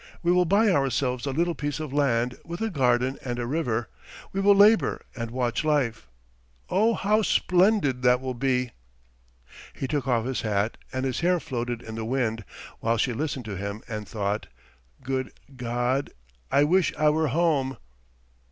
We will buy ourselves a little piece of land with a garden and a river, we will labour and watch life. Oh, how splendid that will be!" He took off his hat, and his hair floated in the wind, while she listened to him and thought: "Good God, I wish I were home!"